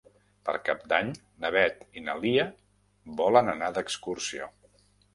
Per Cap d'Any na Beth i na Lia volen anar d'excursió.